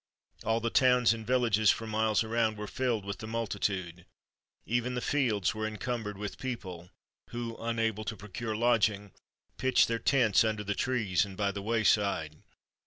All the towns and villages for miles around were filled with the multitude; even the fields were encumbered with people, who, unable to procure lodging, pitched their tents under the trees and by the way side.